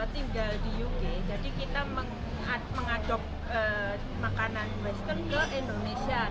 tinggal di uk jadi kita mengadop makanan western ke indonesia